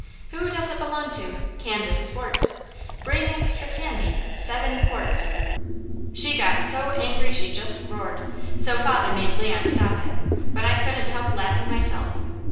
Who does it belong to? Candace Swartz. Bring extra candy, seven quarts " She got so angry she just roared, so father made Leon stop it, but I couldn't help laughing myself.